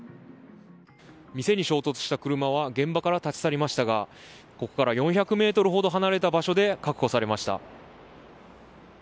店に衝突した車は現場から立ち去りましたがここから４００ｍほど離れた場所で確保されました。